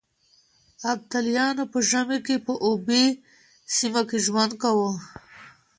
ابدالیانو په ژمي کې په اوبې سيمه کې ژوند کاوه.